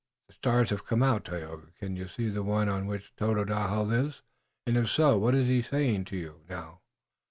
"The stars have come out, Tayoga. Can you see the one on which Tododaho lives? And if so, what is he saying to you now?"